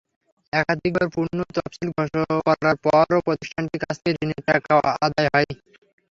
একাধিকবার পুনঃ তফসিল করার পরও প্রতিষ্ঠানটির কাছ থেকে ঋণের টাকা আদায় হয়নি।